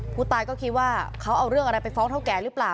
ผู้ตายก็คิดว่าเขาเอาเรื่องอะไรไปฟ้องเท่าแก่หรือเปล่า